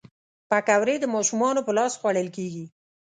پکورې د ماشومانو په لاس خوړل کېږي